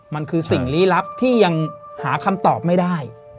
มันคือสิ่งลี้ลับที่ยังหาคำตอบไม่ได้